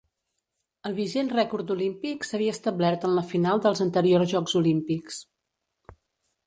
El vigent rècord olímpic s'havia establert en la final dels anteriors Jocs Olímpics.